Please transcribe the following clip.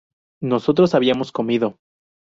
nosotros habíamos comido